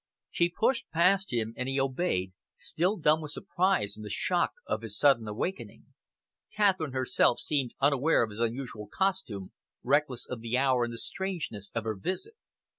She pushed past him and he obeyed, still dumb with surprise and the shock of his sudden awakening. Catherine herself seemed unaware of his unusual costume, reckless of the hour and the strangeness of her visit.